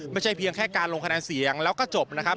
ไม่ใช่เพียงแค่การลงคะแนนเสียงแล้วก็จบนะครับ